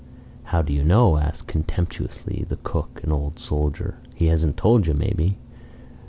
"How do you know?" asked, contemptuously, the cook, an old soldier. "He hasn't told you, maybe?"